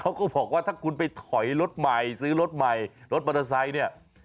เขาก็บอกว่าถ้าคุณไปถอยรถใหม่ซื้อรถใหม่รถมอเตอร์ไซค์เนี่ย